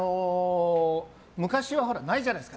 昔はないじゃないですか。